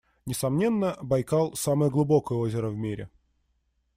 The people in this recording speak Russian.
Несомненно, Байкал - самое глубокое озеро в мире.